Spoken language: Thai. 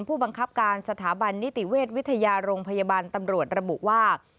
ผู้บังคับการสถาบันนิติเวชวิทยาโรงพยาบาลตำรวจระบุว่า